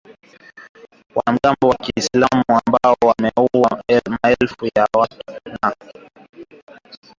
wanamgambo wa kiislam ambao wameua maelfu ya watu na